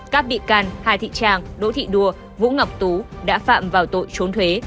các bị can hà thị tràng đỗ thị đua vũ ngọc tú đã phạm vào tội trốn thuế